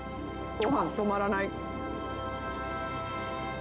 ごはん止まらない。